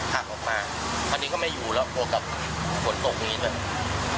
หักออกมาพอดีก็ไม่อยู่แล้วกับฝนตกนี้ด้วย